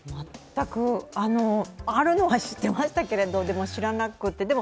全く、あるのは知ってましたけど知らなくて。